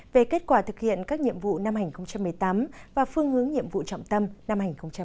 về kết quả thực hiện các nhiệm vụ năm hai nghìn một mươi tám và phương hướng nhiệm vụ trọng tâm năm hai nghìn một mươi chín